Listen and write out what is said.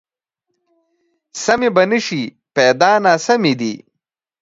سمې به نه شي، پیدا ناسمې دي